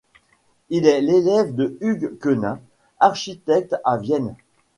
Il est l'élève de Hugues Quenin, architecte à Vienne.